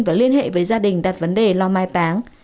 và liên hệ với gia đình đặt vấn đề lo mai táng